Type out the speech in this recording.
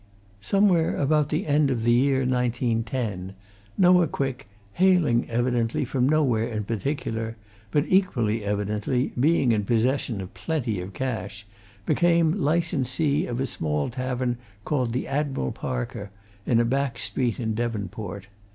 Somewhere about the end of the year 1910, Noah Quick, hailing, evidently, from nowhere in particular, but, equally evidently, being in possession of plenty of cash, became licensee of a small tavern called the Admiral Parker, in a back street in Devonport.